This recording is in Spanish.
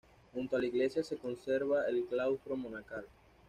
Junto a la iglesia se conserva el claustro monacal.